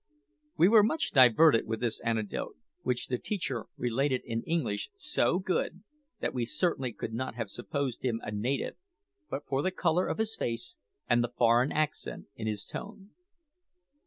We were much diverted with this anecdote, which the teacher related in English so good that we certainly could not have supposed him a native but for the colour of his face and the foreign accent in his tone.